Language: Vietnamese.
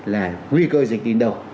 là nguy cơ dịch tín độc